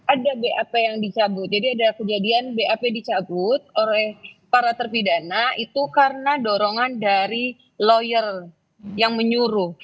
ada bap yang dicabut jadi ada kejadian bap dicabut oleh para terpidana itu karena dorongan dari lawyer yang menyuruh